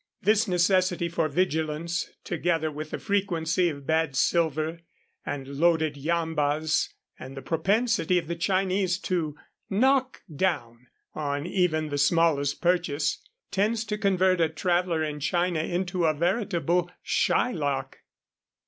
This necessity for vigilance, together with the frequency of bad silver and loaded yambas, and the propensity of the Chinese to "knock down" on even the smallest purchase, tends to convert a traveler in China into a veritable Shylock.